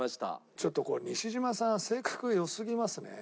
ちょっと西島さん性格良すぎますね。